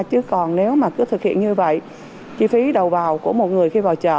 chứ còn nếu mà cứ thực hiện như vậy chi phí đầu vào của một người khi vào chợ